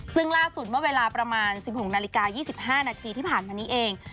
ซึ่งล่าสุดเมื่อเวลาประมาณ๑๖นาฬิกา๒๕นาทีที่ผ่านมานี้เอง